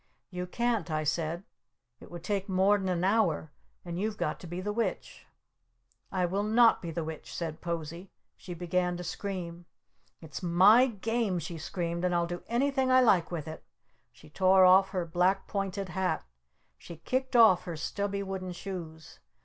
"You can't!" I said. "It would take mor'n an hour! And you've got to be the Witch!" "I will not be the Witch!" said Posie. She began to scream! "It's my Game!" she screamed. "And I'll do anything I like with it!" She tore off her black pointed hat! She kicked off her stubby wooden shoes!